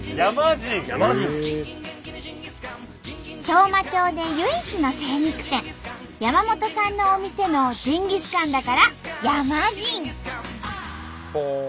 当麻町で唯一の精肉店山本さんのお店のジンギスカンだからヤマジン。